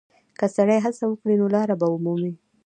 که سړی هڅه وکړي، نو لاره به ومومي.